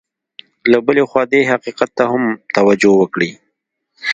له بلې خوا دې حقیقت ته هم توجه وکړي.